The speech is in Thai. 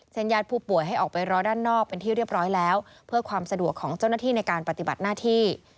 ญาติผู้ป่วยให้ออกไปรอด้านนอกเป็นที่เรียบร้อยแล้วเพื่อความสะดวกของเจ้าหน้าที่ในการปฏิบัติหน้าที่